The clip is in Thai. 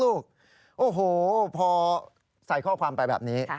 โอ้โหพอใส่ข้อความไปแบบนี้